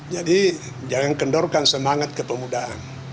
jadi jangan kendorkan semangat kepemudaan